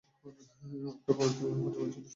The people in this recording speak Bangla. আমরা পরবর্তী প্রজন্মের জন্য শুধু ওষুধ রেখেছি।